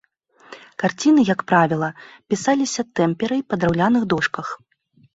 Карціны, як правіла, пісаліся тэмперай па драўляных дошках.